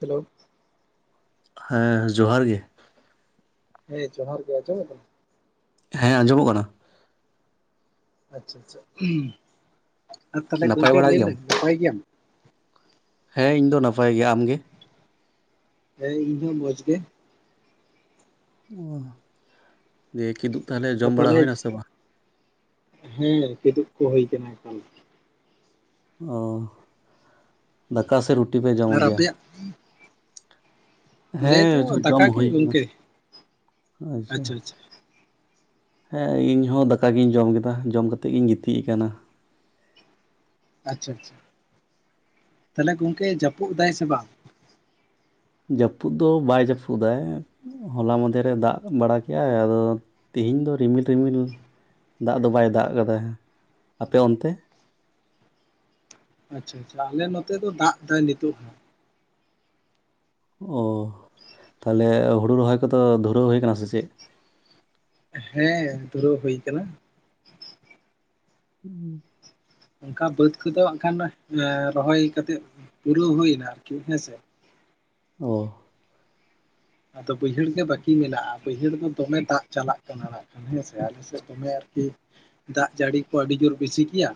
Hello. ᱦᱮᱸ ᱡᱚᱦᱟᱨ ᱜᱮ᱾ ᱦᱮᱸ ᱡᱚᱦᱟᱨ ᱜᱮ, ᱟᱸᱡᱚᱢ ᱠᱟᱱᱟ? ᱦᱮᱸ ᱟᱸᱡᱚᱢᱚᱜ ᱠᱟᱱᱟ᱾ ᱟᱪᱪᱷᱟ ᱟᱪᱪᱷᱟ, ᱛᱟᱦᱚᱞᱮ ᱱᱟᱯᱟᱭ ᱜᱚᱝᱠᱮ ᱵᱟᱲᱟ ᱞᱟᱹᱭ ᱢᱮ ᱜᱮᱭᱟᱢ? ᱱᱟᱯᱟᱭ ᱜᱮᱭᱟᱢ? ᱦᱮᱸ ᱤᱧ ᱫᱚ ᱱᱟᱯᱟᱭ ᱜᱮᱭᱟ᱾ ᱟᱢ ᱜᱮ? ᱦᱮᱸ ᱤᱧ ᱦᱚ ᱢᱚᱸᱡᱽ ᱜᱮ᱾ ᱚ ᱫᱤᱭᱮ ᱠᱤᱫᱩᱵ ᱛᱟᱦᱚᱞᱮ ᱡᱚᱢ ᱵᱟᱲᱟ ᱦᱩᱭ ᱱᱟ ᱥᱮ ᱵᱟᱝ? ᱦᱮᱸ ᱠᱤᱫᱩᱵ ᱠᱚ ᱦᱩᱭ ᱠᱟᱱᱟ ᱮᱠᱷᱚᱱ᱾ ᱚ ᱫᱟᱠᱟ ᱥᱮᱫ ᱨᱩᱴᱤ ᱯᱮ ᱟᱨ ᱡᱚᱢᱚᱜ ᱜᱮᱭᱟ? ᱟᱯᱮᱭᱟᱜ ᱟᱞᱮ ᱫᱚ ᱦᱮᱸ ᱡᱚᱢ ᱫᱟᱠᱟ ᱜᱮ ᱦᱩᱭ ᱠᱟᱱᱟ, ᱜᱚᱝᱠᱮ ᱟᱪᱪᱷᱟ᱾ ᱦᱮᱸ ᱤᱧ ᱦᱚ ᱫᱟᱠᱟ ᱜᱤᱧ ᱡᱚᱢ ᱠᱮᱫᱟ ᱡᱚᱢ ᱠᱟᱛᱮᱫ ᱜᱤᱧ ᱜᱤᱛᱤᱡ ᱠᱟᱱᱟ᱾ ᱟᱪᱪᱷᱟ ᱟᱪᱪᱷᱟ᱾ ᱛᱟᱦᱞᱮ ᱜᱚᱝᱠᱮ ᱡᱟᱹᱯᱩᱫ ᱫᱟᱭ ᱥᱮ ᱵᱟᱝ? ᱡᱟᱹᱯᱩᱫ ᱫᱚ ᱵᱟᱭ ᱡᱟᱹᱯᱩᱫᱟᱭ ᱦᱚᱞᱟ ᱢᱟᱫᱷᱮᱨ ᱮ ᱫᱟᱜ ᱵᱟᱲᱟ ᱠᱮᱭᱟᱭ, ᱟᱫᱚ ᱛᱮᱤᱦᱮᱤᱧ ᱫᱚ ᱨᱤᱢᱤᱞᱻ ᱨᱤᱢᱤᱞ ᱫᱟᱜ ᱫᱚ ᱵᱟᱭ ᱫᱟᱜ ᱠᱟᱫᱟ, ᱟᱯᱮ ᱚᱱᱛᱮ? ᱟᱪᱪᱷᱟ ᱟᱪᱪᱷᱟ, ᱟᱞᱮ ᱱᱚᱛᱮ ᱫᱚ ᱫᱟᱜ ᱫᱟᱭ ᱱᱤᱛᱳ ᱦᱚᱸ᱾ ᱚ ᱛᱟᱦᱚᱞᱮ ᱦᱩᱲᱩ ᱨᱚᱦᱚᱭ ᱠᱚᱫᱚ ᱫᱷᱩᱨᱟᱹᱣ ᱦᱩᱭ ᱠᱟᱱᱟ ᱥᱮ ᱪᱮᱫ? ᱦᱮᱸ ᱫᱷᱩᱨᱟᱹᱣ ᱦᱩᱭ ᱠᱟᱱᱟ᱾ ᱦᱩᱸ᱾ ᱚᱱᱠᱟ ᱵᱟᱹᱫᱽ ᱠᱚᱫᱚ ᱦᱟᱸᱜ ᱠᱷᱟᱱ ᱨᱚᱦᱚᱭ ᱠᱟᱛᱮᱜ ᱯᱩᱨᱟᱹᱣ ᱦᱩᱭᱱᱟ ᱟᱨᱠᱤ ᱦᱮᱸᱥᱮ᱾ ᱚ᱾ ᱟᱫᱚ ᱵᱟᱹᱭᱦᱟᱹᱲ ᱜᱮ ᱵᱟᱹᱠᱤ ᱢᱮᱱᱟᱜᱼᱟ, ᱵᱟᱹᱭᱦᱟᱹᱲ ᱫᱚ ᱫᱚᱢᱮ ᱫᱟᱜ ᱪᱟᱞᱟᱜ ᱠᱟᱱᱟ᱾ ᱦᱮᱸᱥᱮ ᱟᱞᱮᱥᱮᱫ ᱫᱚᱢᱮ ᱟᱨᱠᱤ ᱫᱟᱜ ᱡᱟᱹᱲᱤ ᱠᱚ ᱟᱹᱰᱤ ᱡᱳᱨ ᱵᱮᱥᱤ ᱜᱮᱭᱟ,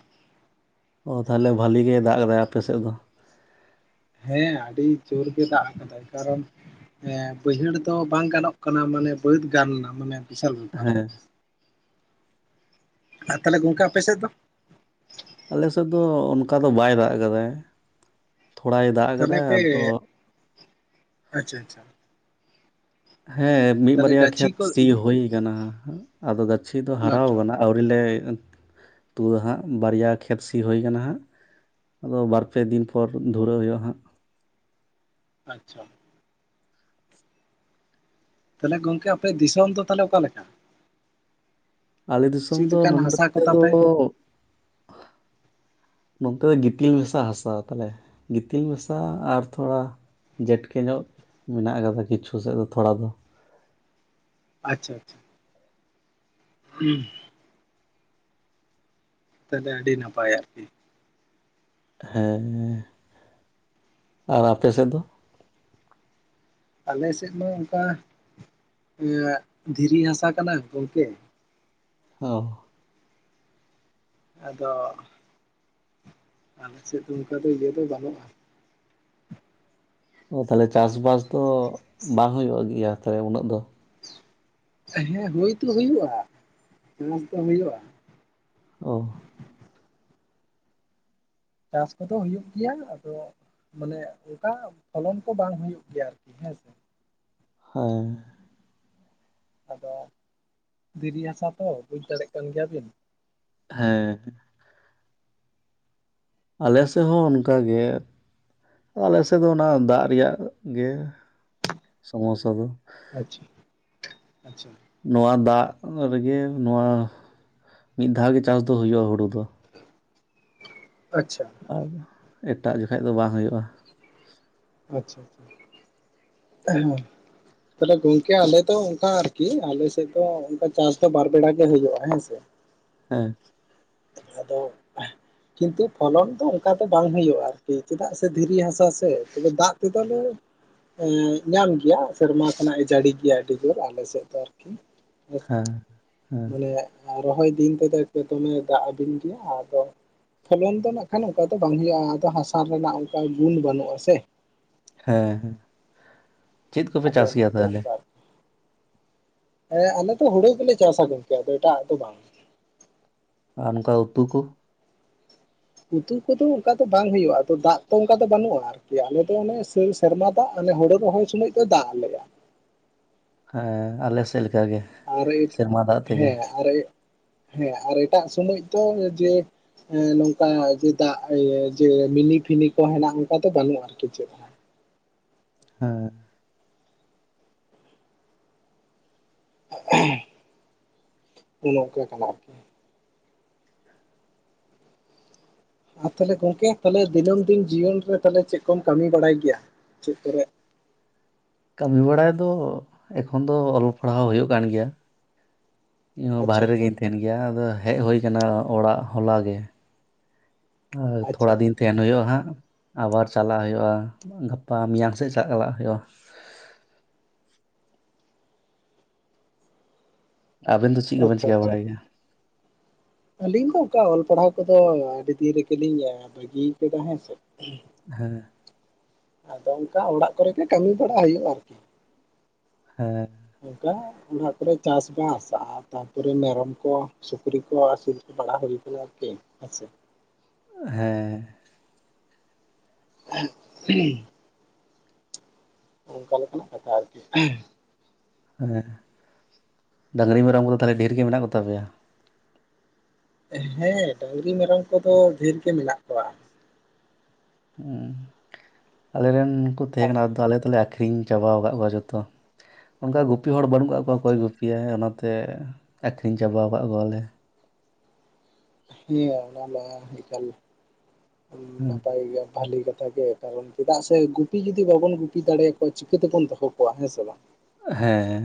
ᱚ ᱛᱟᱦᱚᱞᱮ ᱵᱷᱟᱹᱞᱤ ᱜᱮ ᱫᱟᱜ ᱠᱟᱫᱟ ᱟᱯᱮ ᱥᱮᱫ ᱫᱚ᱾ ᱦᱮᱸ ᱟᱹᱰᱤ ᱡᱳᱨ ᱜᱮ ᱫᱟᱜ ᱠᱟᱫᱟᱭ, ᱠᱟᱨᱚᱱ ᱦᱮᱸ ᱵᱟᱹᱭᱦᱟᱹᱲ ᱫᱚ ᱵᱟᱝ ᱜᱟᱱᱚᱜ ᱠᱟᱱᱟ, ᱢᱟᱱᱮ ᱵᱟᱹᱫ ᱜᱟᱱᱟ ᱢᱟᱱᱮ ᱵᱤᱥᱟᱞ ᱵᱮᱯᱟᱨ᱾ ᱦᱮᱸ ᱟᱨ ᱛᱟᱦᱚᱞᱮ ᱜᱚᱝᱠᱮ ᱟᱯᱮ ᱥᱮᱫ ᱫᱚ? ᱟᱞᱮ ᱥᱮᱫ ᱫᱚ ᱚᱱᱠᱟ ᱫᱚ ᱵᱟᱭ ᱫᱟᱜ ᱠᱟᱫᱟᱭ᱾ ᱛᱷᱚᱲᱟᱭ ᱫᱟᱜ ᱛᱚᱞ ᱠᱟᱫᱟᱭ ᱯᱮ ᱟᱫᱚ ᱟᱪᱪᱷᱟ ᱟᱪᱪᱷᱟ᱾ ᱦᱮᱸ ᱢᱤᱫ ᱛᱟᱦᱚᱞᱮ ᱵᱟᱨᱭᱟ ᱜᱟᱹᱪᱷᱤ ᱠᱷᱮᱛ ᱠᱚ ᱥᱤ ᱦᱩᱭ ᱠᱟᱱᱟ, ᱟᱫᱚ ᱜᱟᱹᱪᱷᱤ ᱫᱚ ᱦᱟᱨᱟᱣ ᱟᱪᱪᱷᱟ ᱠᱟᱱᱟ᱾ ᱟᱹᱣᱨᱤᱞᱮ ᱛᱩᱫᱟ ᱦᱟᱸᱜ ᱵᱟᱨᱭᱟ ᱠᱷᱮᱛ ᱥᱤ ᱦᱩᱭ ᱠᱟᱱᱟ ᱦᱟᱸᱜ᱾ ᱟᱫᱚ ᱵᱟᱨ ᱯᱮ ᱫᱤᱱ ᱯᱚᱨ ᱫᱷᱩᱨᱟᱹᱣ ᱦᱩᱭᱩᱜᱼᱟ ᱦᱟᱸᱜ᱾ ᱟᱪᱪᱷᱟ᱾ ᱛᱟᱦᱚᱞᱮ ᱜᱚᱝᱠᱮ ᱟᱯᱮ ᱫᱤᱥᱚᱢ ᱫᱚ ᱛᱟᱦᱚᱞᱮ ᱚᱠᱟ ᱞᱮᱠᱟ? ᱟᱞᱮ ᱫᱤᱥᱚᱢ ᱪᱮᱫ ᱫᱚ ᱞᱮᱠᱟᱱ ᱱᱚᱸᱰᱮ ᱦᱟᱥᱟ ᱠᱚ ᱛᱟᱯᱮ ᱫᱚ ᱱᱚᱛᱮ ᱫᱚ ᱜᱤᱛᱤᱞ ᱢᱮᱥᱟ ᱦᱟᱥᱟ ᱛᱟᱞᱮ ᱜᱤᱛᱤᱞ ᱢᱮᱥᱟ ᱟᱨ ᱛᱷᱚᱲᱟ ᱡᱮᱴᱠᱮ ᱧᱚᱜ ᱢᱮᱱᱟᱜ ᱠᱟᱫᱟ ᱠᱤᱪᱷᱩ ᱥᱮᱫ ᱫᱚ ᱛᱷᱚᱲᱟ ᱫᱚ᱾ ᱟᱪᱪᱷᱟ ᱟᱪᱪᱷᱟ᱾ ᱦᱩᱸ, ᱛᱟᱦᱚᱞᱮ ᱫᱚ ᱟᱹᱰᱤ ᱱᱟᱯᱟᱭᱟ ᱟᱨᱠᱤ᱾ ᱦᱮᱸ, ᱟᱨ ᱟᱯᱮ ᱥᱮᱫ ᱫᱚ? ᱟᱞᱮᱥᱮᱫ ᱫᱚ ᱚᱱᱠᱟ, ᱮᱜ ᱫᱷᱤᱨᱤ ᱦᱟᱥᱟ ᱠᱟᱱᱟ ᱜᱚᱝᱠᱮ᱾ ᱳᱦᱸ ᱟᱫᱚ ᱟᱞᱮ ᱥᱮᱫ ᱚᱱᱠᱟ ᱫᱚ ᱤᱭᱟᱹ ᱫᱚ ᱵᱟᱹᱱᱩᱜᱼᱟ᱾ ᱚ ᱛᱟᱦᱚᱞᱮ ᱪᱟᱥᱵᱟᱥ ᱫᱚ, ᱵᱟᱝ ᱦᱳᱭᱳᱜ ᱜᱮᱭᱟ, ᱛᱟᱦᱞᱮ ᱩᱱᱟᱹᱜ ᱫᱚ? ᱦᱮᱸ ᱦᱳᱭᱛᱚ ᱦᱳᱭᱳᱜᱼᱟ, ᱱᱚᱛᱮ ᱦᱳᱭᱳᱜᱼᱟ᱾ ᱚ, ᱪᱟᱥ ᱠᱚᱫᱚ ᱦᱳᱭᱩᱜ ᱜᱮᱭᱟ, ᱟᱫᱚ ᱢᱟᱱᱮ ᱚᱱᱠᱟ ᱯᱷᱚᱞᱚᱱ ᱠᱚ, ᱵᱟᱝ ᱦᱳᱭᱩᱜ ᱜᱮᱭᱟ ᱟᱨᱠᱤ ᱦᱮᱸᱥᱮ᱾ ᱦᱮᱸ, ᱟᱫᱚ ᱫᱤᱨᱤ ᱦᱟᱥᱟ ᱛᱚ, ᱵᱩᱡ ᱫᱟᱲᱮᱭᱟᱜ ᱠᱟᱱ ᱜᱮᱭᱟᱵᱤᱱ᱾ ᱦᱮᱸ, ᱟᱞᱮ ᱥᱮᱫ ᱦᱚᱸ ᱚᱱᱠᱟᱜᱮ᱾ ᱟᱞᱮ ᱥᱮᱫ ᱫᱚ, ᱚᱱᱟ ᱫᱟᱜ ᱨᱮᱭᱟᱜ ᱜᱮ ᱥᱚᱢᱚᱥᱟ ᱫᱚ᱾ ᱟᱪᱪᱷᱟ, ᱟᱪᱪᱷᱟ᱾ ᱱᱚᱣᱟ ᱫᱟᱜ ᱨᱮᱜᱮ ᱱᱚᱣᱟ, ᱢᱤᱫ ᱫᱷᱟᱣ ᱜᱮ ᱪᱟᱥ ᱫᱚ ᱦᱳᱭᱳᱜᱼᱟ, ᱦᱳᱲᱳ ᱫᱚ᱾ ᱟᱪᱪᱷᱟ, ᱟᱨ ᱮᱴᱟᱜ ᱡᱚᱠᱷᱟᱡ ᱫᱚ, ᱵᱟᱝ ᱦᱳᱭᱳᱜᱼᱟ᱾ ᱟᱪᱪᱷᱟ, ᱦᱮᱸ᱾ ᱛᱟᱦᱞᱮ ᱜᱚᱝᱠᱮ ᱟᱞᱮ ᱫᱚ ᱚᱱᱠᱟ ᱟᱨᱠᱤ, ᱟᱞᱮ ᱥᱮᱫ ᱫᱚ ᱚᱱᱠᱟ ᱪᱟᱥ ᱫᱚ ᱵᱟᱨ ᱵᱮᱲᱟ ᱜᱮ ᱦᱳᱭᱳᱜᱼᱟ ᱦᱮᱸᱥᱮ᱾ ᱦᱮᱸ, ᱟᱫᱚ ᱠᱤᱱᱛᱩ ᱯᱷᱚᱞᱚᱱ ᱫᱚ ᱚᱱᱠᱟ ᱫᱚ ᱵᱟᱝ ᱦᱳᱭᱳᱜᱼᱟ ᱟᱨᱠᱤ, ᱪᱮᱫᱟᱜ ᱥᱮ ᱫᱷᱤᱨᱤ ᱦᱟᱥᱟ ᱥᱮ ᱫᱟᱜ ᱛᱮᱫᱚ ᱞᱮ ᱧᱟᱢ ᱜᱮᱭᱟ ᱥᱮᱨᱢᱟ ᱠᱷᱚᱱᱟᱜ ᱮ ᱡᱟᱹᱲᱤ ᱜᱮᱭᱟ, ᱟᱹᱰᱤ ᱡᱳᱨ ᱟᱞᱮ ᱥᱮᱫ ᱫᱚ ᱟᱨᱠᱤ᱾ ᱦᱮᱸᱥᱮ, ᱦᱮᱸ ᱦᱮᱸ ᱢᱟᱱᱮ ᱨᱚᱦᱚᱭ ᱫᱤᱱ ᱛᱮᱫᱚ ᱫᱚᱢᱮ ᱫᱟᱜ ᱟᱵᱤᱱ ᱜᱮᱭᱟ ᱟᱫᱚ ᱯᱷᱚᱞᱚᱱ ᱫᱚ ᱱᱟᱜ ᱠᱷᱟᱱ ᱚᱱᱠᱟ ᱫᱚ ᱵᱟᱝ ᱦᱳᱭᱳᱜᱼᱟ, ᱟᱫᱚ ᱦᱟᱥᱟ ᱨᱮᱱᱟᱜ ᱚᱱᱠᱟ ᱜᱩᱱ ᱵᱟᱹᱱᱩᱜᱼᱟ ᱥᱮ᱾ ᱦᱮᱸ ᱦᱮᱸ, ᱪᱮᱫ ᱠᱚᱯᱮ ᱟᱫᱚ ᱪᱟᱥ ᱜᱮᱭᱟ ᱚᱱᱟᱛᱮ ᱛᱟᱦᱚᱞᱮ? ᱚᱱᱠᱟ ᱦᱮᱸ ᱟᱞᱮᱫᱚ ᱦᱳᱲᱳ ᱜᱮᱞᱮ ᱪᱟᱥᱟ, ᱜᱚᱝᱠᱮ ᱟᱫᱚ ᱮᱴᱟᱜ ᱫᱚ ᱵᱟᱝ? ᱟᱨ ᱚᱱᱠᱟ ᱩᱛᱩ ᱠᱚ? ᱩᱛᱩ ᱠᱚᱫᱚ ᱚᱱᱠᱟ ᱫᱚ ᱵᱟᱝ ᱦᱳᱭᱳᱜᱼᱟ, ᱟ ᱫᱟᱜ ᱛᱚ ᱚᱱᱠᱟ ᱫᱚ ᱵᱟᱹᱱᱩᱜᱼᱟ ᱟᱨᱠᱤ, ᱟᱞᱮ ᱫᱚ ᱚᱱᱮ ᱥᱤᱱᱥ ᱥᱮᱨᱢᱟ ᱫᱟᱜ ᱦᱳᱲᱳ ᱨᱚᱦᱚᱭ ᱥᱳᱚᱢᱚᱭ ᱫᱚ ᱫᱟᱜ ᱟᱞᱮᱭᱟ᱾ ᱦᱮᱸ ᱟᱞᱮ ᱥᱮᱫ ᱞᱮᱠᱟ ᱜᱮ᱾ ᱟᱨᱮ ᱥᱮᱨᱢᱟ ᱫᱟᱜ ᱛᱮᱜᱮ ᱦᱮᱸ ᱟᱨᱮ ᱦᱮᱸ ᱟᱨ ᱮᱴᱟᱜ ᱥᱚᱢᱚᱭ ᱫᱚ ᱡᱮ ᱱᱚᱝᱠᱟ ᱡᱮ ᱫᱟᱜ ᱡᱮ ᱢᱤᱱᱤ ᱯᱷᱤᱱᱤ ᱠᱚ ᱦᱮᱱᱟᱜᱼᱟ, ᱚᱱᱠᱟ ᱫᱚ ᱵᱟᱹᱱᱩᱜ ᱟᱨᱠᱤ ᱪᱮᱫ ᱦᱚᱸ᱾ ᱦᱮᱸ, ᱚᱱᱮ ᱚᱱᱠᱟ ᱠᱟᱱᱟ ᱟᱨᱠᱤ᱾ ᱟᱨ ᱛᱟᱦᱚᱞᱮ ᱜᱚᱝᱠᱮ ᱛᱟᱦᱚᱞᱮ ᱫᱤᱱᱟᱹᱢ ᱫᱤᱱ ᱡᱤᱭᱚᱱ ᱨᱮ, ᱛᱟᱦᱞᱮ ᱪᱮᱫ ᱠᱚᱢ ᱠᱟᱹᱢᱤ ᱵᱟᱲᱟᱭ ᱜᱮᱭᱟ ᱪᱮᱫ ᱠᱚᱨᱮ᱾ ᱠᱟᱹᱢᱤ ᱵᱟᱲᱟᱭ ᱫᱚ, ᱮᱠᱷᱚᱱ ᱫᱚ ᱚᱞ ᱯᱟᱲᱦᱟᱣ ᱦᱳᱭᱳᱜ ᱠᱟᱱ ᱜᱮᱭᱟ᱾ ᱤᱧᱦᱚᱸ ᱟᱪᱪᱷᱟ ᱵᱟᱨᱦᱨᱮ ᱟᱪᱪᱷᱟ ᱨᱮᱜᱮᱧ ᱛᱟᱦᱮᱱ ᱜᱮᱭᱟ, ᱟᱫᱚ ᱦᱮᱡ ᱦᱳᱭ ᱠᱟᱱᱟ ᱚᱲᱟᱜ ᱦᱚᱞᱟᱜᱮ᱾ ᱟᱨ ᱟᱪᱪᱷᱟ ᱛᱷᱚᱲᱟ ᱫᱤᱱ ᱛᱮᱦᱮᱱ ᱦᱳᱭᱳᱜᱼᱟ ᱦᱟᱸᱜ, ᱟᱵᱟᱨ ᱪᱟᱞᱟᱜ ᱦᱳᱭᱳᱜᱼᱟ ᱜᱟᱯᱟ ᱢᱮᱭᱟᱝ ᱥᱮᱫ ᱪᱟ ᱞᱟᱜ ᱦᱳᱭᱳᱜᱼᱟ᱾ ᱟᱵᱮᱱ ᱫᱚ ᱪᱮᱜ ᱠᱚᱵᱮᱱ ᱟᱪᱪᱷᱟ ᱪᱤᱠᱟᱹ ᱟᱪᱪᱷᱟ ᱵᱟᱲᱟᱭ ᱜᱮᱭᱟ? ᱟᱹᱞᱤᱧ ᱫᱚ ᱚᱝᱠᱟ ᱚᱞ ᱯᱟᱲᱦᱟᱣ ᱠᱚᱫᱚ ᱟᱹᱰᱤ ᱫᱤᱱ ᱨᱮᱜᱮᱞᱤᱧ ᱵᱟᱹᱜᱤᱭ ᱠᱮᱫᱟ ᱦᱮᱸᱥᱮ᱾ ᱦᱮᱸ ᱟᱫᱚ ᱚᱝᱠᱟ ᱚᱲᱟᱜ ᱠᱚᱨᱮᱜᱮ ᱠᱟᱢᱤ ᱵᱟᱲᱟ ᱦᱩᱭᱩᱜᱼᱟ ᱟᱨᱠᱤ᱾ ᱦᱮᱸ ᱚᱝᱠᱟ ᱚᱲᱟᱜ ᱠᱚᱨᱮ ᱪᱟᱥᱵᱟᱥᱼᱟ ᱛᱟᱯᱚᱨᱮ ᱢᱮᱨᱚᱢ ᱠᱚ ᱥᱩᱠᱨᱤ ᱠᱚ ᱟᱥᱩᱞ ᱵᱟᱲᱟ ᱦᱳᱭ ᱠᱟᱱᱟ ᱟᱨᱠᱤ ᱦᱮᱥᱮ᱾ ᱦᱮᱸ [unintelligible] ᱚᱝᱠᱟ ᱞᱮᱠᱟᱱᱟᱜ ᱠᱟᱛᱷᱟ ᱟᱨᱠᱤ᱾ ᱦᱮᱸ ᱰᱟᱝᱨᱤ ᱢᱮᱨᱚᱢ ᱠᱚᱫᱚ ᱛᱟᱦᱚᱞᱮ ᱰᱷᱮᱨ ᱜᱮ ᱢᱮᱱᱟᱜ ᱠᱚᱛᱟ ᱯᱮᱭᱟ? ᱦᱮᱸ ᱰᱟᱝᱨᱤ ᱢᱮᱨᱚᱢ ᱠᱚᱫᱚ ᱰᱷᱮᱨ ᱜᱮ ᱢᱮᱱᱟᱜ ᱠᱚᱣᱟ᱾ ᱦᱩᱸ ᱟᱞᱮᱨᱮᱱᱠᱩ ᱛᱟᱦᱮᱸ ᱠᱟᱱᱟ ᱟᱫᱩ ᱟᱞᱮ ᱫᱚᱞᱮ ᱟ ᱠᱷᱨᱤᱧ ᱪᱟᱵᱟᱣ ᱠᱟᱜ ᱠᱚᱣᱟ ᱡᱷᱚᱛᱚ ᱚᱝᱠᱟ ᱜᱩᱯᱤ ᱦᱚᱲ ᱠᱚ ᱵᱟᱹᱱᱩᱜ ᱠᱟᱜ ᱠᱚᱣᱟ ᱚᱠᱚᱭ ᱟᱪᱪᱷᱟ ᱜᱩᱯ ᱯᱤᱭᱟᱭ ᱚᱱᱟᱛᱮ ᱟᱠᱷᱨᱤᱧ ᱪᱟᱵᱟᱣ ᱠᱟᱜ ᱠᱚᱣᱟᱞᱮ᱾ ᱦᱮᱸ ᱚᱱᱟ ᱢᱟ ᱮᱠᱟᱞ ᱦᱮᱸ ᱱᱟᱯᱟᱭ ᱜᱮᱭᱟ ᱵᱷᱟᱞᱤ ᱠᱟᱛᱷᱟ ᱜᱮ᱾ ᱠᱟᱨᱚᱱ ᱪᱮᱫᱟᱜ ᱥᱮ ᱜᱩᱯᱤ ᱡᱩᱫᱤ ᱵᱟᱵᱚᱱ ᱜᱩᱯᱤ ᱫᱟᱲᱮᱭᱟᱠᱚᱣᱟ ᱪᱤᱠᱟᱹ ᱛᱮᱵᱚᱱ ᱫᱚᱦᱚ ᱠᱚᱣᱟ ᱦᱮᱸ ᱥᱮ ᱵᱟᱝ᱾ ᱦᱮᱸ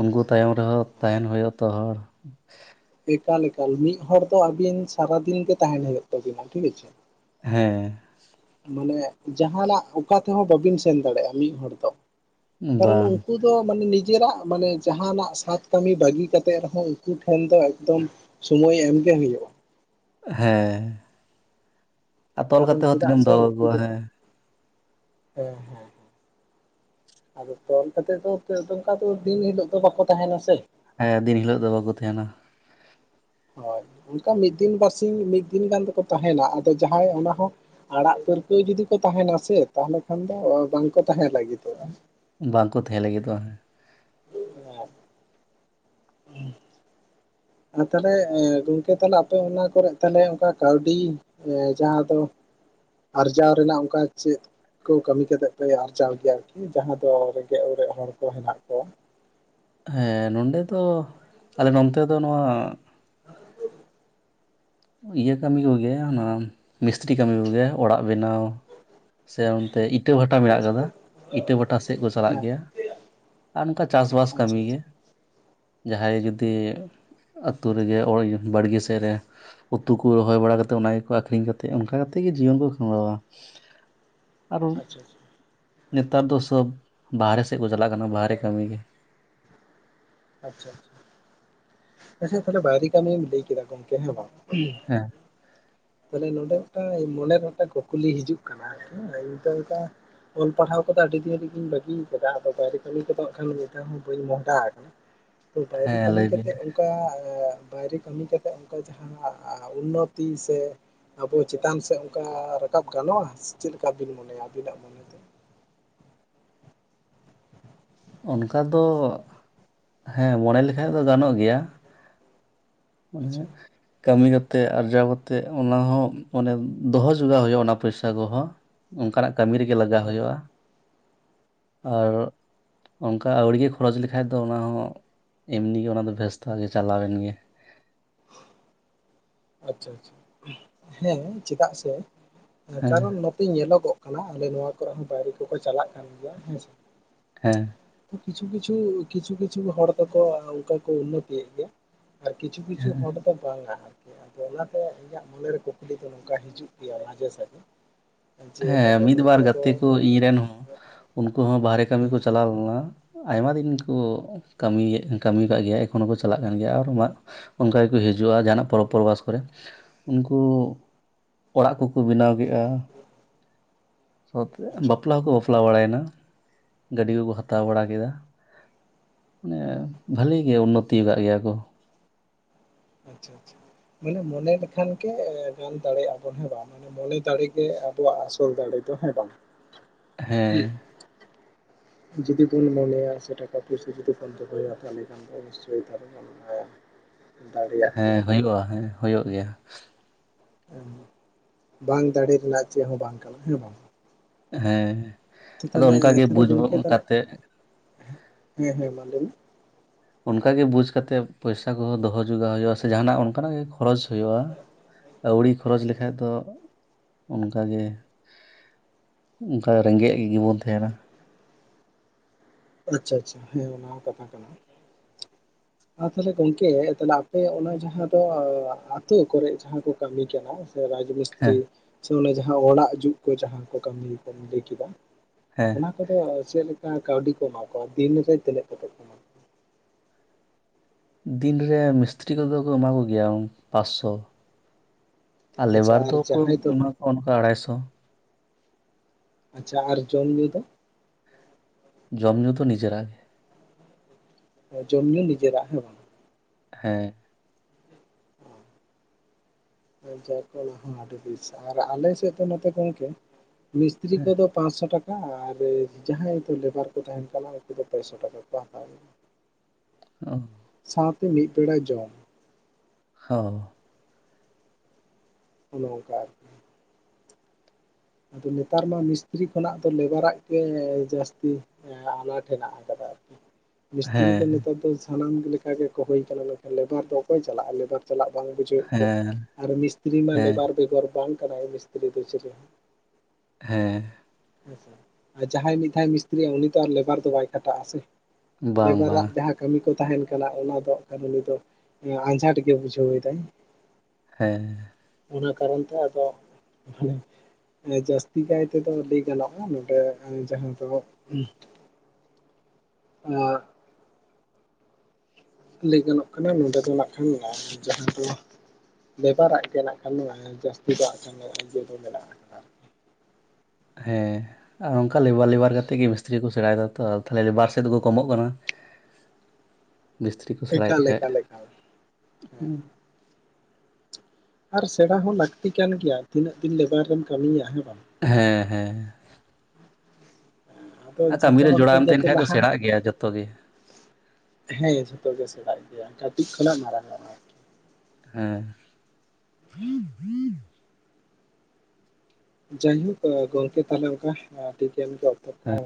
ᱩᱱᱠᱩ ᱛᱟᱭᱚᱢ ᱨᱮᱦᱚᱸ ᱛᱟᱦᱮᱱ ᱦᱩᱭᱩᱜ ᱟᱛᱚ ᱦᱚᱲ᱾ [unintelligible] ᱮᱠᱟᱞ ᱮᱠᱟᱞ ᱢᱤᱫ ᱦᱚᱲ ᱫᱚ ᱟᱵᱤᱱ ᱥᱟᱨᱟᱫᱤᱱ ᱜᱮ ᱛᱟᱦᱮᱱ ᱦᱳᱭᱳᱱ ᱛᱟᱵᱤᱱᱟ [unintelligible] ᱦᱮᱸ ᱢᱟᱱᱮ ᱡᱟᱦᱟᱱᱟᱜ ᱚᱠᱟ ᱛᱮᱦᱚᱸ ᱵᱟᱵᱤᱱ ᱥᱮᱱ ᱫᱟᱲᱮᱜᱼᱟ ᱢᱤᱫᱦᱚᱲ ᱫᱚ ᱠᱟᱨᱚᱱ ᱵᱟᱝ ᱩᱝᱠᱩ ᱫᱚ ᱢᱟᱱᱮ ᱱᱤᱡᱮᱨᱟᱜ ᱢᱟᱱᱮ ᱡᱟᱦᱟᱱᱟᱜ ᱥᱟᱛ ᱠᱟᱢᱤ ᱵᱟᱹᱜᱤ ᱠᱟ ᱠᱟᱛᱮᱫ ᱨᱮᱦᱚ ᱩᱱᱠᱩ ᱴᱷᱮᱱ ᱫᱚ ᱮᱠᱫᱚᱢ ᱥᱳᱢᱳ ᱮᱢᱜᱮ ᱦᱳᱭᱳᱜᱼᱟ ᱾ ᱦᱮᱸ ᱟᱨ ᱛᱚᱞ ᱠᱟᱨᱚᱱ ᱠᱟᱛᱮ ᱦᱚᱸ ᱪᱮᱫᱟᱜ ᱛᱤᱱᱟᱹᱜ ᱮᱢ ᱥᱮ ᱫᱚᱦᱚ ᱩᱱᱠᱩ ᱠᱟᱠᱚᱣᱟ ᱫᱚ ᱦᱮᱸ᱾ ᱦᱮᱸ ᱦᱮᱸ ᱟᱫᱚ ᱛᱚᱞ ᱠᱟᱛᱮᱜ ᱫᱚ ᱚᱝᱠᱟ ᱫᱚ ᱫᱤᱱ ᱦᱤᱞᱳᱜ ᱫᱚ ᱵᱟᱠᱚ ᱛᱟᱦᱮᱱᱟ ᱥᱮ? ᱦᱮᱸ ᱫᱤᱱ ᱦᱤᱞᱳᱜ ᱫᱚ ᱵᱟᱠᱚ ᱛᱟᱦᱮᱱᱟ᱾ ᱦᱳᱭ ᱚᱱᱠᱟ ᱢᱤᱫ ᱫᱤᱱ ᱵᱟᱨᱥᱤ ᱢᱤᱫ ᱫᱤᱱ ᱜᱟᱱ ᱫᱚᱠᱚ ᱛᱟᱦᱮᱱᱟ ᱟᱫᱚ ᱡᱟᱦᱟᱸᱭ ᱚᱱᱟ ᱦᱚᱸ ᱟᱲᱟᱜ ᱯᱟᱹᱨᱠᱟᱹᱣ ᱡᱩᱫᱤ ᱠᱚ ᱛᱟᱦᱮᱱᱟᱥ ᱛᱟᱦᱚᱞᱮ ᱠᱷᱟᱱ ᱫᱚ ᱵᱟᱝᱠᱚ ᱛᱟᱦᱮᱸᱱ ᱞᱟᱹᱜᱤᱫᱚᱜᱼᱟ᱾ ᱵᱟᱝᱠᱚ ᱛᱟᱦᱮᱸ ᱞᱟᱹᱜᱤᱫᱚᱜᱼᱟ ᱦᱮᱸ᱾ [unintelligible] ᱟᱨ ᱛᱟᱦᱚᱞᱮ ᱮᱸ ᱜᱚᱝᱠᱮ ᱛᱟᱦᱞᱮ ᱟᱯᱮ ᱚᱱᱟ ᱠᱚᱨᱮ ᱛᱟᱦᱚᱞᱮ ᱚᱱᱠᱟ ᱠᱟᱹᱣᱰᱤ ᱮᱸ ᱡᱟᱦᱟᱸ ᱫᱚ ᱟᱨᱡᱟᱣ ᱨᱮᱱᱟᱜ ᱚᱝᱠᱟ ᱪᱮᱫ ᱠᱚ ᱠᱟᱹᱢᱤ ᱠᱟᱛᱮᱜ ᱯᱮ ᱟᱨᱡᱟᱣ ᱜᱮᱭᱟ ᱟᱨᱠᱤ ᱡᱟᱦᱟᱸ ᱫᱚ ᱨᱮᱸᱜᱮᱡ ᱚᱨᱮᱡ ᱦᱚᱲ ᱠᱚ ᱦᱮᱱᱟᱜ ᱠᱚᱣᱟ? ᱦᱮᱸ ᱱᱚᱸᱰᱮ ᱫᱚ ᱟᱞᱮ ᱱᱚᱱᱛᱮ ᱫᱚ ᱱᱚᱣᱟ [unintelligible] ᱤᱭᱟᱹ ᱠᱟᱹᱢᱤ ᱠᱚᱜᱮ ᱚᱱᱟ ᱢᱤᱥᱛᱨᱤ ᱠᱟᱹᱢᱤ ᱠᱚᱜᱮ ᱚᱲᱟᱜ ᱵᱮᱱᱟᱣ᱾ ᱥᱮ ᱚᱱᱛᱮ ᱤᱴᱟᱹ ᱵᱷᱟᱴᱟ ᱢᱮᱱᱟᱜ ᱟᱪᱪᱷᱟ ᱠᱟᱫᱟ ᱤᱴᱟᱹ ᱵᱷᱟᱴᱟ ᱥᱮᱫ ᱠᱚ ᱥᱟᱞᱟᱜ ᱦᱮᱸ ᱜᱮᱭᱟ᱾ ᱟᱨ ᱱᱚᱝᱠᱟ ᱪᱟᱥᱵᱟᱥ ᱟᱪᱪᱷᱟ ᱟᱪᱪᱷᱟ ᱠᱟᱹᱢᱤ ᱜᱮ᱾ ᱡᱟᱦᱟᱭ ᱡᱩᱫᱤ ᱟᱹᱛᱩ ᱨᱮᱜᱮ ᱳᱭ ᱵᱟᱲᱜᱤ ᱥᱮᱜ ᱨᱮ ᱩᱛᱩ ᱠᱚ ᱨᱚᱦᱚᱭ ᱵᱟᱲᱟᱠᱟᱛᱮᱜ ᱚᱱᱟ ᱜᱮᱠᱚ ᱟᱠᱷᱨᱤᱧ ᱠᱟᱛᱮᱫ ᱚᱱᱠᱟ ᱠᱟᱛᱮᱫ ᱜᱮ ᱡᱤᱭᱚᱱ ᱠᱚ ᱠᱷᱟᱱᱰᱟᱣᱟ᱾ ᱟᱨᱚ ᱟᱪᱪᱷᱟ ᱱᱮᱛᱟᱨ ᱫᱚ ᱥᱚᱵ ᱵᱟᱦᱨᱮ ᱥᱮᱜ ᱠᱚ ᱪᱟᱞᱟᱜ ᱠᱟᱱᱟ ᱵᱟᱦᱨᱮ ᱠᱟᱢᱤ ᱜᱮ᱾ ᱟᱪᱪᱷᱟ ᱟᱪᱪᱷᱟ, ᱟᱪᱪᱷᱟ ᱛᱟᱦᱚᱞᱮ ᱵᱟᱭᱨᱮ ᱠᱟᱢᱤᱢ ᱞᱟᱹᱭ ᱠᱮᱫᱟ ᱜᱚᱝᱠᱮ ᱦᱮᱸ ᱵᱟᱝ? ᱦᱮᱸ ᱛᱟᱦᱚᱞᱮ ᱱᱚᱰᱮ ᱢᱤᱴᱟᱝ ᱢᱚᱱᱮᱨᱮ ᱢᱤᱫᱴᱟᱝ ᱠᱩᱠᱞᱤ ᱦᱤᱡᱩᱜ ᱠᱟᱱᱟ [unintelligible] ᱚᱞ ᱯᱟᱲᱦᱟᱣ ᱠᱚᱫᱚ ᱟᱹᱰᱤ ᱫᱤᱱ ᱨᱤᱜᱤᱧ ᱵᱟᱹᱜᱤ ᱟᱠᱟᱫᱟ ᱟᱫᱚ ᱵᱟᱭᱨᱮ ᱠᱟᱹᱢᱤ ᱠᱚᱫᱚ ᱮᱠᱷᱟᱱ ᱢᱤᱫ ᱫᱷᱟᱣ ᱦᱚᱸ ᱵᱟᱹᱧ ᱢᱚᱦᱰᱟ ᱟᱠᱟᱱᱟ ᱾ ᱛᱚ ᱵᱟᱭᱨᱮ ᱦᱮᱸ ᱠᱟᱹᱢᱤ ᱞᱟᱹᱭ ᱵᱤᱱ ᱠᱟᱛᱮᱫ ᱚᱱ ᱚᱱᱠᱟ ᱵᱟᱭᱨᱮ ᱠᱟᱹᱢᱤ ᱠᱟᱛᱮᱜ ᱚᱱᱠᱟ ᱡᱟᱦᱟᱸ ᱩᱱᱱᱚᱛᱤ ᱥᱮ ᱟᱵᱚ ᱪᱮᱛᱟᱱ ᱥᱮᱜ ᱚᱱᱠᱟ ᱨᱟᱠᱟᱵ ᱜᱟᱱᱚᱜᱼᱟ ᱥᱮ ᱪᱮᱜ ᱞᱮᱠᱟ ᱵᱤᱱ ᱢᱚᱱᱮᱭᱟ ᱟᱵᱤᱱᱟᱜ ᱢᱚᱱᱮᱛᱮ ᱾ ᱚᱱᱠᱟ ᱫᱚ ᱦᱮᱸ ᱢᱚᱸᱬᱮ ᱞᱮᱠᱟᱡ ᱫᱚ ᱜᱟᱱᱚᱜ ᱜᱮᱭᱟ ᱾ ᱢᱟᱱᱮ ᱟᱪᱪᱷᱟ ᱠᱟᱹᱢᱤ ᱠᱟᱛᱮ ᱟᱨᱡᱟᱣ ᱠᱟᱛᱮ ᱚᱱᱟ ᱦᱚᱸ ᱢᱟᱱᱮ ᱫᱚᱦᱚ ᱡᱚᱜᱟᱣ ᱦᱩᱭᱩᱜᱼᱟ ᱚᱱᱟ ᱯᱚᱭᱥᱟ ᱠᱚ ᱦᱚᱸ ᱾ ᱚᱱᱠᱟᱱᱟᱜ ᱠᱟᱹᱢᱤ ᱨᱮᱜᱮ ᱞᱟᱜᱟᱣ ᱦᱮᱸ ᱦᱩᱭᱩᱜᱼᱟ ᱦᱮᱸ ᱟᱨ ᱚᱱᱠᱟ ᱟᱹᱣᱲᱤ ᱜᱮ ᱠᱷᱚᱨᱚᱪ ᱞᱮᱠᱷᱟᱡ ᱫᱚ ᱚᱱᱟ ᱦᱚᱸ ᱮᱢᱱᱤ ᱜᱮ ᱚᱱᱟ ᱫᱚ ᱵᱷᱮᱥᱛᱟ ᱜᱮ ᱪᱟᱞᱟᱣ ᱮᱱ ᱜᱮᱭᱟ ᱾ ᱟᱪᱪᱷᱟ ᱟᱪᱪᱷᱟ ᱦᱮᱸ ᱪᱮᱫᱟᱜ ᱥᱮ ᱦᱮᱸ ᱠᱟᱨᱚᱱ ᱱᱚ ᱛᱮ ᱧᱮᱞᱚᱜᱚᱜ ᱠᱟᱱᱟ ᱟᱞᱮ ᱱᱚᱣᱟ ᱠᱚᱨᱮ ᱦᱚᱸ ᱵᱟᱭᱨᱮ ᱠᱚᱠᱚ ᱪᱟᱞᱟᱜ ᱠᱟᱱ ᱜᱮᱭᱟ ᱦᱮᱸᱥᱮ ᱾ ᱦᱮᱸ ᱠᱤᱪᱷᱩ ᱠᱤᱪᱷᱩ ᱠᱤᱪᱷᱩ ᱠᱤᱪᱷᱩ ᱦᱚᱲ ᱫᱚᱠᱚ ᱚᱱᱠᱟ ᱠᱚ ᱩᱱᱱᱚᱛᱤᱭᱮᱜ ᱜᱮᱭᱟ ᱾ ᱟᱨ ᱠᱤᱪᱷᱩ ᱠᱤᱪᱷᱩ ᱦᱚᱲ ᱫᱚ ᱵᱟᱝᱟ ᱾ ᱟᱫᱚ ᱚᱱᱟᱛᱮ ᱤᱧᱟᱹᱜ ᱢᱚᱱᱮᱨᱮ ᱠᱩᱠᱞᱤ ᱫᱚ ᱱᱚᱝᱠᱟ ᱦᱤᱡᱩᱜ ᱜᱮᱭᱟ ᱢᱟᱡᱮ ᱥᱟᱡᱷᱮ ᱾ ᱦᱮᱸ ᱢᱤᱫ ᱵᱟᱨ ᱜᱟᱛᱮ ᱠᱚ ᱤᱧ ᱨᱮᱱ ᱩᱱᱠᱩ ᱦᱚᱸ ᱵᱟᱦᱨᱮ ᱠᱟᱹᱢᱤ ᱠᱚ ᱪᱟᱞᱟᱣ ᱱᱚᱣᱟ ᱟᱭᱢᱟ ᱫᱤᱱ ᱜᱮᱠᱚ ᱠᱟᱹᱢᱤᱭᱮᱜ ᱠᱟᱹᱢᱤ ᱠᱟᱜ ᱜᱮᱭᱟ ᱮᱠᱷᱚᱱᱚ ᱠᱚ ᱪᱟᱞᱟᱜ ᱠᱟᱱ ᱜᱮᱭᱟ ᱟᱨ ᱚᱱᱠᱟ ᱜᱮᱠᱚ ᱦᱤᱡᱩᱜᱼᱟ ᱡᱟᱦᱟᱸ ᱱᱟᱜ ᱯᱚᱨᱚᱵᱽ ᱯᱚᱨᱚᱵᱽ ᱯᱚᱨᱵᱟᱥ ᱠᱚᱨᱮ ᱩᱱᱠᱩ ᱚᱲᱟᱜ ᱠᱚᱠᱚ ᱵᱮᱱᱟᱣ ᱠᱮᱜᱼᱟ ᱾ ᱥᱟᱶᱛᱮ ᱟᱪᱪᱷᱟ ᱵᱟᱯᱞᱟ ᱦᱚᱸᱠᱚ ᱵᱟᱯᱞᱟ ᱵᱟᱲᱟᱭᱱᱟ ᱜᱟᱹᱰᱤ ᱠᱚᱠᱚ ᱦᱟᱛᱟᱣ ᱵᱟᱲᱟ ᱠᱮᱫᱟ ᱾ ᱢᱟᱱᱮ ᱵᱷᱟᱹᱞᱤ ᱜᱮ ᱩᱱᱱᱚᱛᱤᱣ ᱠᱟᱜ ᱜᱮᱭᱟ ᱠᱚ ᱾ ᱟᱪᱪᱷᱟ ᱟᱪᱪᱷᱟ ᱢᱟᱱᱮ ᱢᱚᱱᱮ ᱞᱮᱠᱷᱟᱱ ᱜᱮ ᱜᱟᱱ ᱫᱟᱲᱮᱭᱟᱜᱼᱟ ᱵᱚᱱ ᱦᱮᱸ ᱵᱟᱝ ᱾ ᱢᱚᱱᱮ ᱫᱟᱲᱮ ᱜᱮ ᱟᱵᱚᱣᱟᱜ ᱟᱥᱚᱞ ᱫᱟᱲᱮ ᱫᱚ ᱦᱮᱸ ᱵᱟᱝ ᱾ ᱦᱮᱸ ᱡᱩᱫᱤ ᱵᱚᱱ ᱢᱚᱱᱮᱭᱟ ᱥᱮ ᱴᱟᱠᱟ ᱯᱩᱭᱥᱟ ᱡᱩᱫᱤ ᱵᱚᱱ ᱫᱚᱦᱚᱭᱟ ᱛᱟᱦᱚᱞᱮ ᱠᱷᱟᱱ ᱫᱚ ᱚᱵᱚᱥᱥᱳᱭ ᱜᱟᱱᱚᱜ-ᱟ ᱾ ᱦᱮᱸ ᱦᱩᱭᱩᱜᱼᱟ ᱦᱮᱸ ᱦᱩᱭᱩᱜ ᱜᱮᱭᱟ ᱾ ᱵᱟᱝ ᱫᱟᱲᱮ ᱨᱮᱱᱟᱜ ᱪᱮᱜ ᱦᱚᱸ ᱵᱟᱝ ᱠᱟᱱᱟ ᱦᱮᱸ ᱵᱟᱝ ᱾ ᱦᱮᱸ ᱟᱫᱚ ᱚᱱᱠᱟ ᱛᱟᱦᱚᱞᱮ ᱜᱮ ᱛᱟᱦᱚᱞᱮ ᱵᱩᱡᱽ ᱜᱚᱝᱠᱮ ᱵᱩᱱ ᱛᱟᱦᱚᱞᱮ ᱠᱟᱛᱮᱜ ᱦᱮᱸ ᱦᱮᱸ ᱢᱟ ᱞᱟᱹᱭ ᱢᱮ ᱾ ᱚᱱᱠᱟ ᱜᱮ ᱵᱩᱡᱽ ᱠᱟᱛᱮᱜ ᱯᱚᱭᱥᱟ ᱠᱚᱦᱚᱸ ᱫᱚᱦᱚ ᱡᱚᱜᱟᱣ ᱦᱩᱭᱩᱜᱼᱟ ᱥᱮ ᱡᱟᱦᱟᱱᱟᱜ ᱚᱱᱠᱟᱱᱟᱜ ᱜᱮ ᱠᱷᱚᱨᱚᱪ ᱦᱩᱭᱩᱜᱼᱟ ᱾ ᱟᱹᱣᱲᱤ ᱠᱷᱚᱨᱚᱪ ᱞᱮᱠᱷᱟᱡ ᱫᱚ ᱚᱱᱠᱟ ᱜᱮ ᱾ ᱚᱱᱠᱟ ᱨᱮᱸᱜᱮᱡ ᱜᱮᱵᱚᱱ ᱛᱮᱦᱮᱱᱟ ᱾ ᱟᱪᱪᱷᱟ ᱟᱪᱪᱷᱟ ᱦᱮᱸ ᱚᱱᱟ ᱦᱚᱸ ᱠᱟᱛᱷᱟ ᱠᱟᱱᱟ ᱾ [inaudible] ᱟᱨ ᱛᱟᱦᱚᱞᱮ ᱜᱚᱝᱠᱮ ᱛᱟᱦᱚᱞᱮ ᱟᱯᱮ ᱚᱱᱟ ᱡᱟᱦᱟᱸ ᱫᱚ ᱟᱛᱳ ᱠᱚᱨᱮ ᱡᱟᱦᱟᱸ ᱠᱚ ᱠᱟᱹᱢᱤ ᱠᱟᱱᱟ ᱾ ᱨᱟᱡᱽ ᱢᱤᱥᱛᱨᱤ ᱦᱮᱸ ᱥᱮ ᱚᱱᱮ ᱡᱟᱦᱟᱸ ᱚᱲᱟᱜ ᱡᱩᱫ ᱠᱚ ᱡᱟᱦᱟᱸᱭ ᱠᱚ ᱠᱟᱹᱢᱤᱭᱟ ᱠᱚᱢ ᱞᱟᱹᱭ ᱠᱮᱫᱟ ᱦᱮᱸ ᱾ ᱚᱱᱟ ᱠᱚᱫᱚ ᱪᱮᱜ ᱞᱮᱠᱟ ᱠᱟᱹᱣᱰᱤ ᱠᱚ ᱮᱢᱟ ᱠᱚᱣᱟ ᱫᱤᱱ ᱨᱮ ᱛᱤᱱᱟᱹᱜ ᱠᱟᱛᱮᱜ ᱾ ᱫᱤᱱ ᱨᱮ ᱢᱤᱥᱛᱨᱤ ᱠᱚᱫᱚ ᱠᱚ ᱮᱢᱟ ᱠᱚᱜᱮᱭᱟ ᱯᱟᱸᱥᱥᱚ ᱾ ᱟᱨ ᱟᱪᱪᱷᱟ ᱞᱮᱵᱟᱨ ᱫᱚ ᱠᱚ ᱡᱟᱦᱟᱸᱭ ᱫᱚ ᱮᱢᱟ ᱠᱚᱣᱟ ᱚᱱᱠᱟ ᱟᱲᱟᱭᱥᱚ ᱾ ᱟᱪᱪᱷᱟ ᱟᱨ ᱡᱚᱢ ᱧᱩ ᱫᱚ ᱾ ᱡᱚᱢᱼᱧᱩ ᱫᱚ ᱱᱤᱡᱮᱨᱟᱜ ᱜᱮ ᱾ ᱡᱚᱢ ᱧᱩ ᱱᱤᱡᱮᱨᱟᱜ ᱦᱮᱸ ᱵᱟᱝ ᱾ ᱦᱮᱸ ᱦᱳᱭ [unintelligible] ᱦᱚᱸ ᱟᱹᱰᱤ ᱵᱮᱥ ᱟᱨ ᱟᱞᱮ ᱥᱮᱫ ᱫᱚ ᱱᱚᱛᱮ ᱜᱚᱢᱠᱮ ᱢᱤᱥᱛᱨᱤ ᱦᱮᱸ ᱠᱚᱫᱚ ᱯᱟᱥᱥᱚ ᱴᱟᱠᱟ ᱟᱨ ᱡᱟᱦᱟᱸᱭ ᱫᱚ ᱞᱮᱵᱟᱨ ᱠᱚ ᱛᱟᱦᱮᱱ ᱠᱟᱱᱟ ᱩᱱᱠᱩ ᱫᱚ ᱯᱮᱥᱚ ᱴᱟᱠᱟ ᱠᱚ ᱦᱟᱛᱟᱣᱮᱜ-ᱟ᱾ [inaudible] ᱥᱟᱶᱛᱮ ᱢᱤᱫ ᱵᱮᱲᱟ ᱡᱚᱢ, ᱦᱳᱸ, ᱦᱳᱭ ᱚᱝᱠᱟ ᱟᱨᱠᱤ, ᱟᱫᱚ ᱱᱮᱛᱟᱨ ᱢᱟ ᱢᱤᱥᱛᱨᱤ ᱠᱷᱚᱱᱟᱜ ᱫᱚ ᱞᱮᱵᱟᱨᱟᱜ ᱜᱮ ᱡᱟᱹᱥᱛᱤ, ᱟᱱᱟᱴ ᱦᱮᱱᱟᱜ ᱟᱠᱟᱫᱟ ᱟᱨᱠᱤ, ᱢᱤᱥᱛᱨᱤ ᱫᱚ ᱦᱮᱸ ᱱᱮᱛᱟᱨ ᱫᱚ ᱥᱟᱱᱟᱢ ᱞᱮᱠᱟ ᱜᱮ ᱠᱚ ᱦᱩᱭ ᱠᱟᱱᱟ ᱢᱮᱱᱠᱷᱟᱱ ᱞᱮᱵᱟᱨ ᱫᱚ ᱚᱠᱚᱭ ᱪᱟᱞᱟᱜᱼᱟ? ᱞᱮᱵᱟᱨ ᱪᱟᱞᱟᱜ ᱵᱟᱝ ᱵᱩᱡᱷᱟᱹᱣᱮᱫ ᱠᱚᱣᱟ ᱦᱮᱸ ᱟᱨ ᱢᱤᱥᱛᱨᱤ ᱢᱟ ᱦᱮᱸ ᱞᱮᱵᱟᱨ ᱵᱮᱜᱚᱨ ᱵᱟᱝ ᱠᱟᱱᱟᱭ ᱢᱤᱥᱛᱨᱤ ᱫᱚ ᱪᱮᱞᱮ ᱦᱚᱸ ᱦᱮᱸᱻᱮ ᱟᱪᱪᱷᱟ ᱟᱨ ᱡᱟᱦᱟᱸᱭ ᱢᱤᱫ ᱫᱷᱟᱣ ᱢᱤᱥᱛᱤᱨᱤᱜ-ᱟ ᱩᱱᱤ ᱫᱚ ᱟᱨ ᱞᱮᱵᱟᱨ ᱫᱚ ᱵᱟᱭ ᱠᱷᱟᱴᱟᱜ ᱟᱥᱮ, ᱵᱟᱝ ᱵᱟᱝ ᱞᱮᱵᱟᱨᱟᱜ ᱡᱟᱦᱟᱸ ᱠᱟᱹᱢᱤ ᱠᱚ ᱛᱟᱦᱮᱱ ᱠᱟᱱᱟ ᱚᱱᱟ ᱫᱚ ᱟᱜ-ᱠᱷᱟᱱ ᱩᱱᱤ ᱫᱚ ᱟᱸᱡᱷᱟᱴ ᱜᱮ ᱵᱩᱡᱷᱟᱹᱣᱮᱫᱟᱭ, ᱦᱮᱸᱻᱮ ᱚᱱᱟ ᱠᱟᱨᱚᱱ ᱛᱮ ᱟᱫᱚ ᱦᱟᱱᱮ ᱡᱟᱹᱛᱤ ᱠᱟᱭ ᱛᱮ ᱫᱚ ᱧᱮᱞᱚᱜ-ᱟ ᱱᱚᱸᱰᱮ ᱡᱟᱸᱦᱟᱱ ᱵᱮᱜᱚᱨ, [inaudible] ᱞᱟᱹᱭ ᱜᱟᱱᱚᱜ ᱠᱟᱱᱟ ᱱᱚᱸᱰᱮ ᱫᱚ [inaudible] ᱡᱟᱦᱟᱸ ᱫᱚ ᱞᱮᱵᱟᱨᱟᱜ ᱜᱮ ᱱᱟᱜ ᱠᱷᱟᱱ ᱡᱟᱹᱥᱛᱤ ᱫᱚ ᱟᱜ-ᱠᱷᱟᱱ ᱤᱭᱟᱹ ᱢᱮᱱᱟᱜ ᱟᱠᱟᱫᱟ ᱾ ᱦᱮᱸᱻ ᱚᱝᱠᱟ ᱞᱮᱵᱟᱨ ᱞᱮᱵᱟᱨ ᱠᱟ ᱠᱟᱛᱮᱫ ᱜᱮ ᱢᱤᱥᱛᱨᱤ ᱠᱚ ᱥᱮᱬᱟᱭᱮᱫᱟ ᱛᱚ ᱛᱟᱦᱞᱮ ᱞᱮᱵᱟᱨ ᱥᱮᱫ ᱫᱚᱠᱚ ᱠᱚᱢᱚᱜ ᱠᱟᱱᱟ᱾ ᱢᱤᱥᱛᱨᱤ ᱠᱚ ᱥᱮᱬᱟᱭᱮᱜ ᱮᱠᱟᱞ ᱠᱷᱟᱡ, ᱮᱠᱟᱞ ᱮᱠᱟᱞ ᱦᱩ ᱦᱮᱸ ᱟᱨ ᱥᱮᱬᱟ ᱦᱚᱸ ᱞᱟᱹᱠᱛᱤ ᱠᱟᱱ ᱜᱮᱭᱟ ᱛᱤᱱᱟᱹᱜ ᱫᱤᱱ ᱞᱮᱵᱟᱨᱮᱢ ᱠᱟᱹᱢᱤᱭᱟ ᱦᱮᱸ ᱵᱟᱝ? ᱦᱮᱸ ᱦᱮᱸ, ᱟᱫᱚ ᱟᱨ ᱠᱟᱹᱢᱤ ᱡᱷᱚᱛᱚ ᱨᱮ ᱦᱚᱲ ᱜᱮ ᱡᱚᱲᱟᱣᱮᱢ ᱛᱟᱦᱮᱱ ᱡᱟᱛᱮ ᱠᱷᱟᱡ ᱫᱚ ᱞᱟᱦᱟ ᱥᱮᱬᱟᱜ ᱜᱮᱭᱟ ᱡᱚᱛᱚ ᱜᱮ ᱦᱮᱸ ᱡᱷᱚᱛᱚ ᱜᱮ ᱥᱮᱬᱟᱭᱮᱫ ᱜᱮᱭᱟ ᱠᱟᱹᱛᱤᱡ ᱠᱷᱚᱱᱟᱜ ᱢᱟᱨᱟᱝ ᱦᱮᱸ, ᱡᱟᱭᱦᱩᱠ ᱜᱚᱝᱠᱮ ᱛᱟᱦᱚᱞᱮ ᱚᱱᱠᱟ ᱟᱹᱵᱤ ᱜᱮᱱ ᱜᱮ ᱚᱠᱛᱚ ᱠᱟᱦᱚᱸ